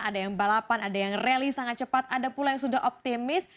ada yang balapan ada yang rally sangat cepat ada pula yang sudah optimis